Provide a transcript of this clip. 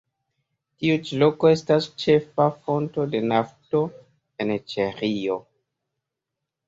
Tiu ĉi loko estas ĉefa fonto de nafto en Ĉeĥio.